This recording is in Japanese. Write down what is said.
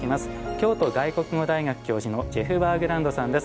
京都外国語大学教授のジェフ・バーグランドさんです。